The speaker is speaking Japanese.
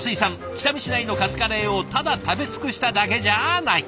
北見市内のカツカレーをただ食べ尽くしただけじゃない。